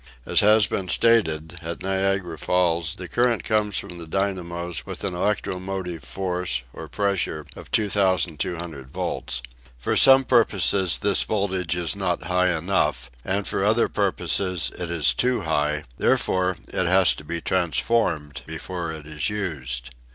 As has been stated, at Niagara Falls the current comes from the dynamos with an electromotive force or pressure of 2200 volts. For some purposes this voltage is not high enough, and for other purposes it is too high; therefore it has to be transformed before it is used!